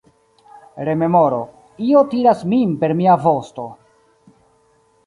Remoro: "Io tiras min per mia vosto."